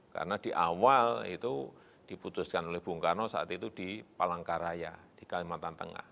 karena di awal itu diputuskan oleh bung karno saat itu di palangkaraya di kalimantan tengah